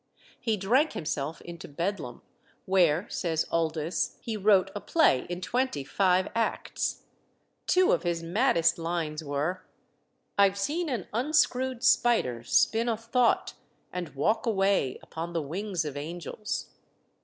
He drank himself into Bedlam, where, says Oldys, he wrote a play in twenty five acts. Two of his maddest lines were "I've seen an unscrewed spider spin a thought And walk away upon the wings of angels."